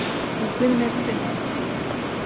Үкенмәҫһең!